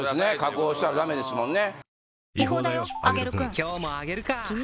加工したらダメですもんね